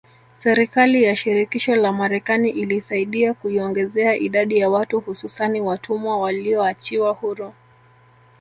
Serikali ya shirikisho la marekani ilisaidia kuiongezea idadi ya watu hususani watumwa walioachiwa huru